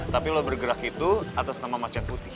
tapi lo bergerak itu atas nama macet putih